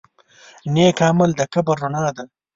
نیک عمل د قبر رڼا ده.